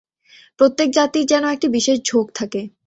প্রত্যেক জাতির যেন একটি বিশেষ ঝোঁক থাকে।